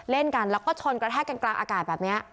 เล่นกันแล้วก็ชนกระแทกกันกลางอากาศแบบนี้